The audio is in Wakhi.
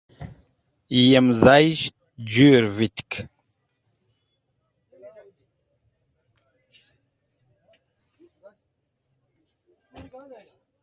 Yem zayisht jũr vitk.